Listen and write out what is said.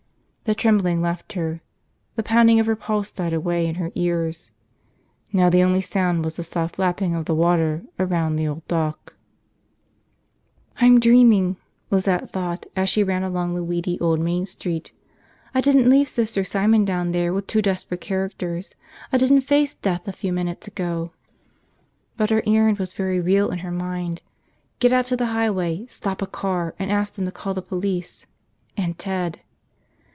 The trembling left her. The pounding of her pulse died away in her ears. Now the only sound was the soft lapping of the water around the old dock. I'm dreaming, Lizette thought as she ran along the weedy old Main Street, I didn't leave Sister Simon down there with two desperate characters, I didn't face death a few minutes ago. But her errand was very real in her mind. Get out to the highway, stop a car, ask them to call the police and Ted